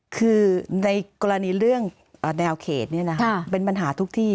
คือในกรณีเรื่องแนวเขตเป็นปัญหาทุกที่